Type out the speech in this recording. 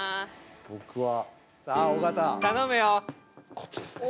僕はこっちですね。